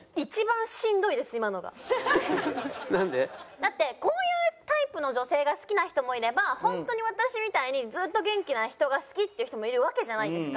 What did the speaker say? だってこういうタイプの女性が好きな人もいれば本当に私みたいにずっと元気な人が好きっていう人もいるわけじゃないですか。